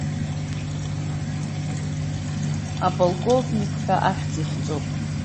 Аполковник ҳәа ахьӡ ихҵоуп.